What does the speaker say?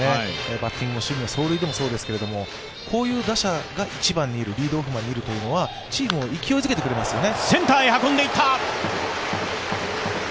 バッティングも守備も走塁でもそうですけどこういう打者が１番にいるリードオフマンにいるというのはチームを勢いづけてくれますよね。